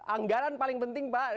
anggaran paling penting pak